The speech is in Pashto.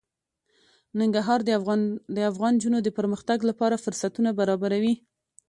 ننګرهار د افغان نجونو د پرمختګ لپاره فرصتونه برابروي.